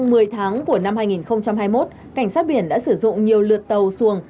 trong một mươi tháng của năm hai nghìn hai mươi một cảnh sát biển đã sử dụng nhiều lượt tàu xuồng